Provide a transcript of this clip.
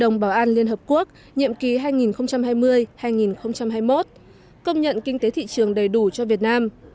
năm hai nghìn hai mươi một công nhận kinh tế thị trường đầy đủ cho việt nam